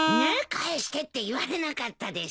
返してって言われなかったでしょ。